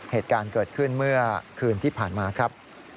เหตุการณ์เกิดขึ้นเมื่อคืนที่ผ่านมาครับ